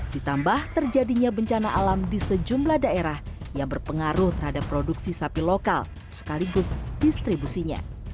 ditambah terjadinya bencana alam di sejumlah daerah yang berpengaruh terhadap produksi sapi lokal sekaligus distribusinya